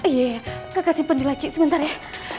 iya kak kasih pendilai cik sebentar ya